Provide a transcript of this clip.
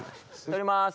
撮ります。